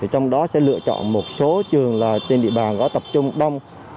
trong đó sẽ lựa chọn một số trường trên địa bàn có tập trung đông